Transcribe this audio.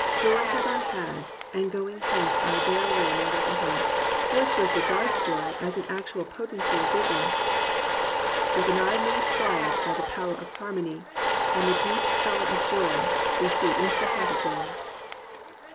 Joy have I had; and going hence I bear away my recompence." 201 COMPANIONABLE BOOKS Wordsworth regards joy as an actual potency of vision: " With an eye made quiet by the power Of harmony, and the deep power of joy y We see into the heart of things."